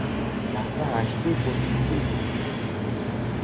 টাকা আসবে কোত্থেকে?